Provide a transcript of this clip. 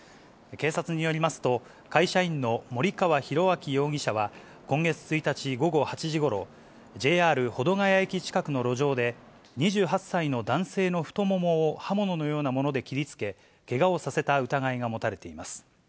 警察によりますと、会社員の森川浩昭容疑者は、今月１日午後８時ごろ、ＪＲ保土ケ谷駅近くの路上で、２８歳の男性の太ももを刃物のようなもので切りつけ、けがをさせた疑いが持たれています。